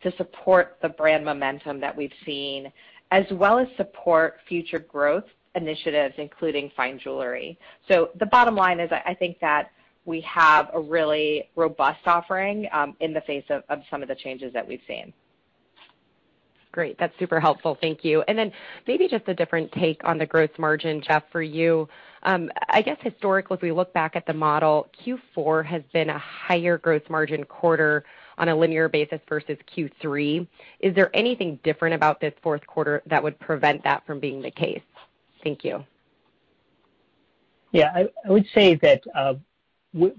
to support the brand momentum that we've seen, as well as support future growth initiatives, including fine jewelry. The bottom line is I think that we have a really robust offering in the face of some of the changes that we've seen. Great. That's super helpful. Thank you. Then maybe just a different take on the gross margin, Jeff, for you. I guess historically, as we look back at the model, Q4 has been a higher gross margin quarter on a linear basis versus Q3. Is there anything different about this fourth quarter that would prevent that from being the case? Thank you. Yeah. I would say that with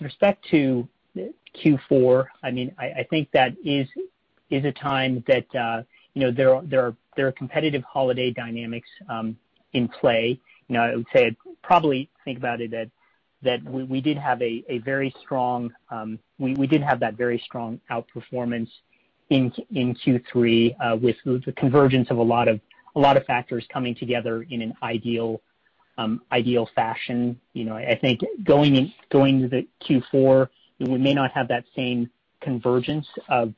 respect to Q4, I mean, I think that is a time that you know, there are competitive holiday dynamics in play. You know, I would say I'd probably think about it that we did have a very strong, we did have that very strong outperformance in Q3 with the convergence of a lot of factors coming together in an ideal fashion. You know, I think going into Q4, we may not have that same convergence of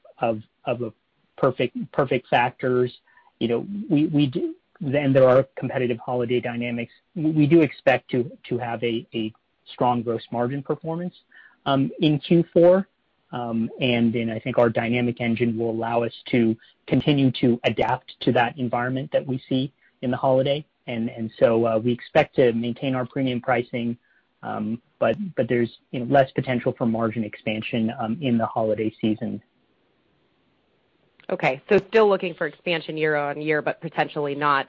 perfect factors. You know, we do, there are competitive holiday dynamics. We do expect to have a strong gross margin performance in Q4. I think our dynamic engine will allow us to continue to adapt to that environment that we see in the holiday. We expect to maintain our premium pricing, but there's, you know, less potential for margin expansion in the holiday season. Okay. Still looking for expansion year-on-year, but potentially not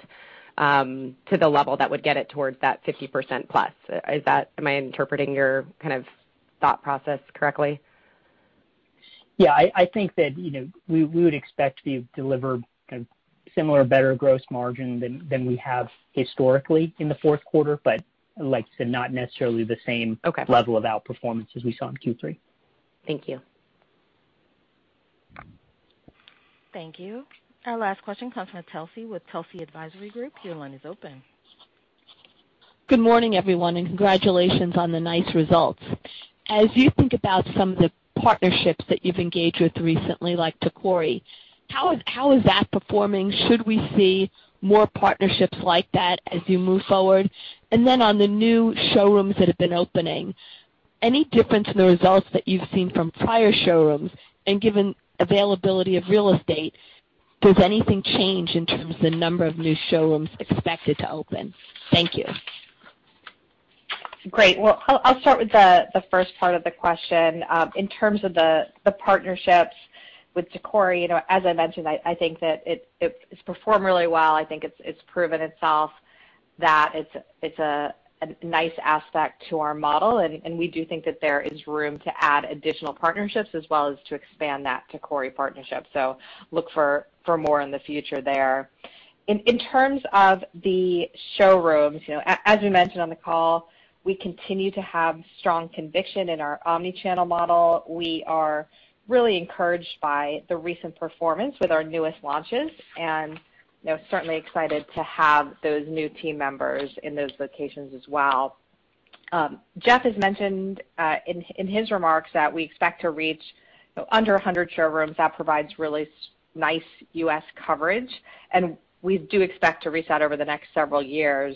to the level that would get it towards that 50%+. Is that, am I interpreting your kind of thought process correctly? Yeah. I think that, you know, we would expect to deliver kind of similar or better gross margin than we have historically in the fourth quarter, but like I said, not necessarily the same. Okay. Level of outperformance as we saw in Q3. Thank you. Thank you. Our last question comes from Telsey with Telsey Advisory Group. Your line is open. Good morning, everyone, and congratulations on the nice results. As you think about some of the partnerships that you've engaged with recently, like Tacori, how is that performing? Should we see more partnerships like that as you move forward? On the new showrooms that have been opening, any difference in the results that you've seen from prior showrooms? Given availability of real estate, does anything change in terms of the number of new showrooms expected to open? Thank you. Great. Well, I'll start with the first part of the question. In terms of the partnerships with Tacori, you know, as I mentioned, I think that it's performed really well. I think it's proven itself that it's a nice aspect to our model. And we do think that there is room to add additional partnerships as well as to expand that Tacori partnership. So look for more in the future there. In terms of the showrooms, you know, as we mentioned on the call, we continue to have strong conviction in our omnichannel model. We are really encouraged by the recent performance with our newest launches, and you know, certainly excited to have those new team members in those locations as well. Jeff has mentioned in his remarks that we expect to reach under 100 showrooms. That provides really nice U.S. coverage, and we do expect to reach that over the next several years.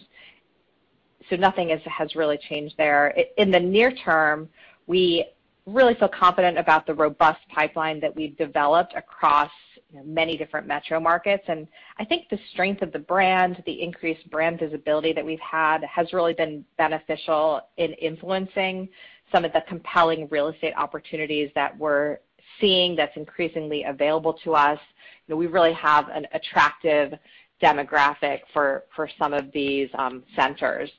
Nothing has really changed there. In the near term, we really feel confident about the robust pipeline that we've developed across, you know, many different metro markets. I think the strength of the brand, the increased brand visibility that we've had, has really been beneficial in influencing some of the compelling real estate opportunities that we're seeing that's increasingly available to us. You know, we really have an attractive demographic for some of these centers.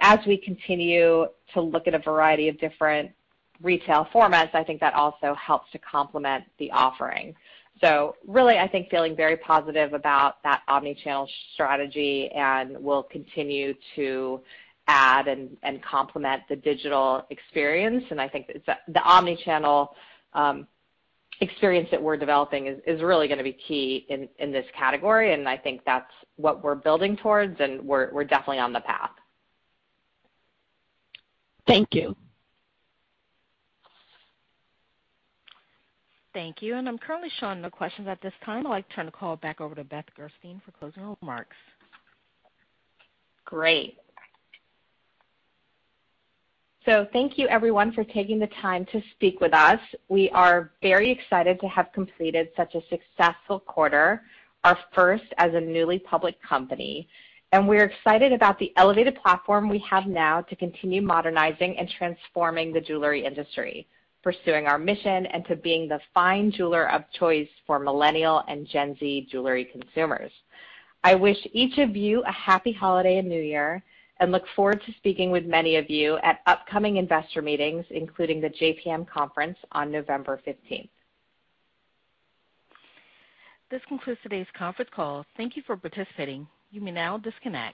As we continue to look at a variety of different retail formats, I think that also helps to complement the offering. Really, I think we're feeling very positive about that omnichannel strategy, and we'll continue to add and complement the digital experience. I think that the omnichannel experience that we're developing is really gonna be key in this category, and I think that's what we're building towards, and we're definitely on the path. Thank you. Thank you. I'm currently showing no questions at this time. I'd like to turn the call back over to Beth Gerstein for closing remarks. Great. Thank you, everyone, for taking the time to speak with us. We are very excited to have completed such a successful quarter, our first as a newly public company. We're excited about the elevated platform we have now to continue modernizing and transforming the jewelry industry, pursuing our mission, and to being the fine jeweler of choice for Millennial and Gen Z jewelry consumers. I wish each of you a happy holiday and new year and look forward to speaking with many of you at upcoming investor meetings, including the JPM conference on November 15th. This concludes today's conference call. Thank you for participating. You may now disconnect.